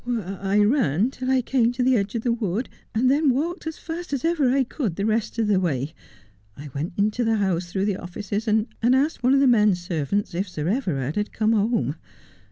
' I ran till I came to the edge of the wood, and then walked as fast as ever I could the rest of the way. I went into the house through the officer, and asked one of the men servants if Sir Everard had come home.